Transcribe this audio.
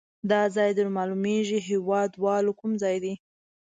دا ځای در معلومیږي هیواد والو کوم ځای ده؟